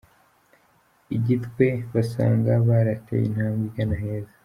I Gitwe basanga barateye intambwe igana heza